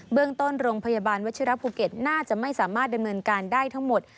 เรื่องต้นโรงพยาบาลวัชิระภูเก็ตน่าจะไม่สามารถดำเนินการได้ทั้งหมด